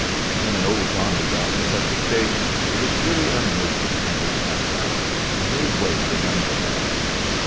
When an old Johnny got to such a state it was really a mercy when he snuffed out, and made way for younger men.